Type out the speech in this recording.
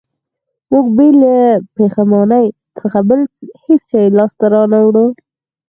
موږ به بې له پښېمانۍ څخه بل هېڅ شی لاسته را نه وړو